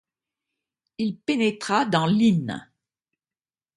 Il pénétra dans l’inn.